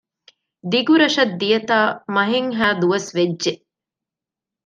ދިގުރަށަށް ދިޔަތާ މަހެއްހައި ދުވަސް ވެއްޖެ